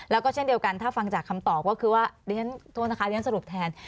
แล้วก็เช่นเดียวกันถ้าฟังจากคำตอบก็คือว่าดิฉันโทษนะคะเรียนสรุปแทน